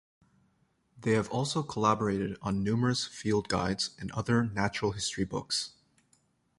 They have also collaborated on numerous field guides and other natural history books.